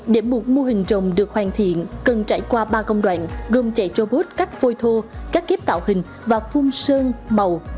để buộc mô hình rồng được hoàn thiện cần trải qua ba công đoạn gồm chạy trô bốt cắt phôi thô cắt kép tạo hình và phung sơn bầu